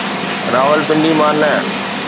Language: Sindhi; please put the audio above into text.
راولپنڊي مان نه.